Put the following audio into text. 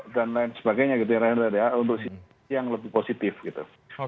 dan lain sebagainya gitu ya untuk sisi yang lebih positif gitu